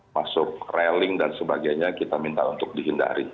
masuk railing dan sebagainya kita minta untuk dihindari